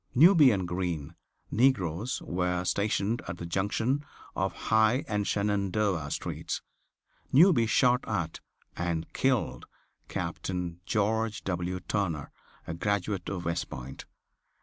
Newby and Green, negroes, were stationed at the junction of High and Shenandoah streets. Newby shot at and killed Captain George W. Turner, a graduate of West Point.